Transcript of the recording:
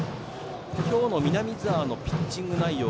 今日の南澤のピッチング内容